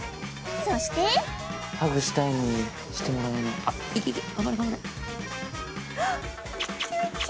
そしてハグしたいのにしてもらえないいけいけ